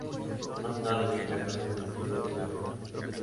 Más tarde, Canon se retiró de la oferta.